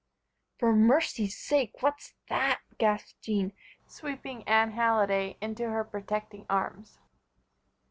"For mercy's sake, what's that!" gasped Jean, sweeping Anne Halliday into her protecting arms.